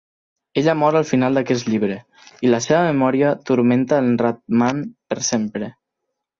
Ella mor al final d'aquest llibre, i la seva memòria turmenta en Rat-Man per sempre.